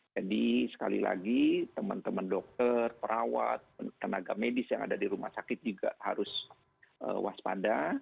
jadi sekali lagi teman teman dokter perawat tenaga medis yang ada di rumah sakit juga harus waspada